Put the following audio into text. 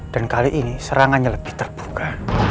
dan kali ini serangan yang lebih terbuka